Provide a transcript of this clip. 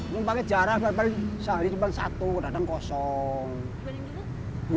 sehari penumpang satu datang kosong